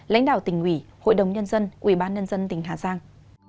lãnh đạo tỉnh ủy hội đồng nhân dân ubnd tỉnh hà giang